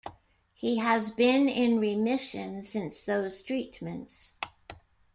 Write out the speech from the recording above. He has been in remission since those treatments.